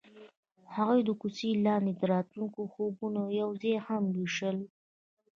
هغوی د کوڅه لاندې د راتلونکي خوبونه یوځای هم وویشل.